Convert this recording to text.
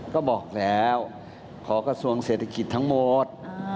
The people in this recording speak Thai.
ก็บอกแล้วขอกระทรวงเศรษฐกิจทั้งหมด